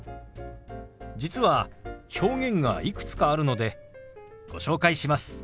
実は表現がいくつかあるのでご紹介します。